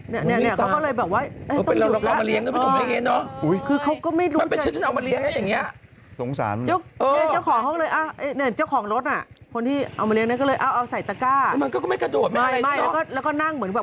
นี่เขาก็เลยแบบว่าต้องหยุดแล้ว